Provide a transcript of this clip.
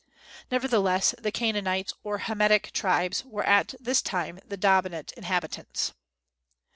Nevertheless the Canaanites, or Hametic tribes, were at this time the dominant inhabitants.